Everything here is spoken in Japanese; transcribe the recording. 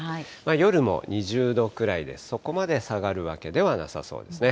夜も２０度くらいで、そこまで下がるわけではなさそうですね。